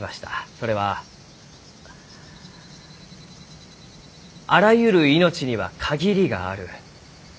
それはあらゆる命には限りがある。